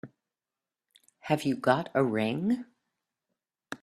Have you got a ring?